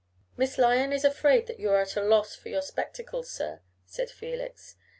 "Miss Lyon is afraid that you are at a loss for your spectacles, sir," said Felix.